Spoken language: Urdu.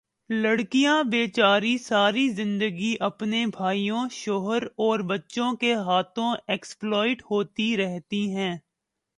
لڑکیاں بے چاری ساری زندگی اپنے بھائیوں، شوہر اور بچوں کے ہاتھوں ایکسپلائٹ ہوتی رہتی ہیں